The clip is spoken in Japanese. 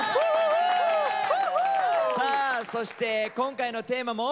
さあそして今回のテーマも。